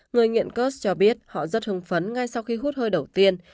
người nghiện cớt cho biết họ rất hứng phấn ngay sau khi hút hơi đầu tiên